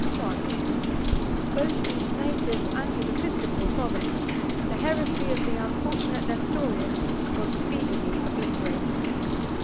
I. Both in his native and his episcopal province, the heresy of the unfortunate Nestorius was speedily obliterated.